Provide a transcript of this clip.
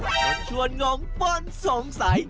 ชักชวนงงป้นสงสัย